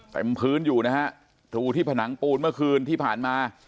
เต็มพื้นอยู่นะฮะรูที่ผนังปูนเมื่อคืนที่ผ่านมา